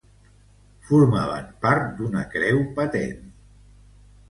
Formaven part d'una creu patent.